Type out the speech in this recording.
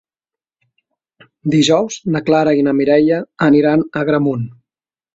Dijous na Clara i na Mireia aniran a Agramunt.